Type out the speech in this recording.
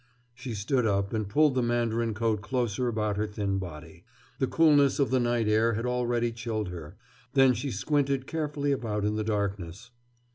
She stood up and pulled the mandarin coat closer about her thin body. The coolness of the night air had already chilled her. Then she squinted carefully about in the darkness.